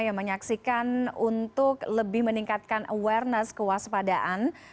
yang menyaksikan untuk lebih meningkatkan awareness kewaspadaan